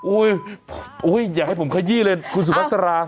อุ๊ยอย่าให้ผมขยี้เลยคุณสุภาษฎรา